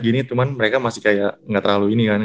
gini cuman mereka masih kayak nggak terlalu ini kan